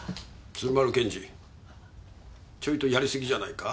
鶴丸検事ちょいとやりすぎじゃないか？